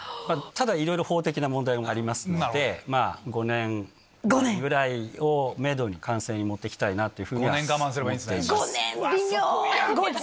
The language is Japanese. ただ、いろいろ法的な問題もありますので、５年ぐらいをメドに完成に持っていきたいなというふうには思って５年、我慢すればいいんです